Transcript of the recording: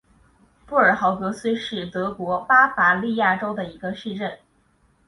布尔格豪森是德国巴伐利亚州的一个市镇。